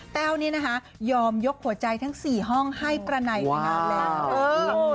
แต้วนี่นะคะยอมยกหัวใจทั้ง๔ห้องให้ประไนไปนานแล้ว